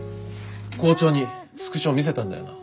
校長にスクショ見せたんだよな？